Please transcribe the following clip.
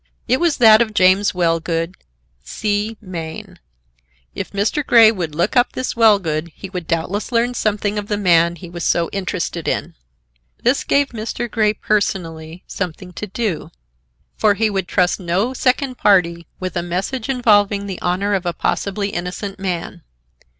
It was that of James Wellgood, C—, Maine. If Mr. Grey would look up this Wellgood he would doubtless learn something of the man he was so interested in. This gave Mr. Grey personally something to do, for he would trust no second party with a message involving the honor of a possibly innocent man.